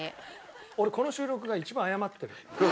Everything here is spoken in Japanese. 俺この収録が一番謝ってる。